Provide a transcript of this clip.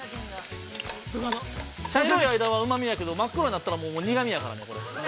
茶色い間は、うまみやけど真っ黒になったらもう苦みやからね、これ。